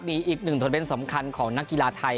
มีอีกหนึ่งโทรเมนต์สำคัญของนักกีฬาไทย